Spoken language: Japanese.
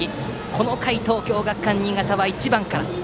この回東京学館新潟は１番から。